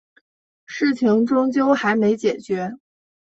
事情终究还没解决